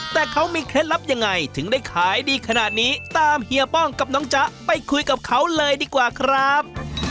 แต่เขามีเคล็ดลับยังไงถึงได้ขายดีขนาดนี้ตามเฮียป้องกับน้องจ๊ะไปคุยกับเขาเลยดีกว่าครับ